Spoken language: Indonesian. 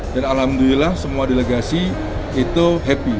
dan alhamdulillah semua delegasi itu happy